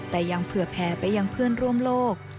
แต่ยังเผื่อแผ่ไปยังเพื่อนร่วมโลก